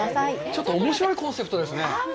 ちょっとおもしろいコンセプトですね。